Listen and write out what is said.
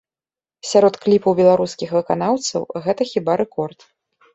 Сярод кліпаў беларускіх выканаўцаў гэта хіба рэкорд.